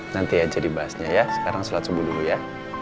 nanti aja dibahasnya ya sekarang sholat subuh dulu ya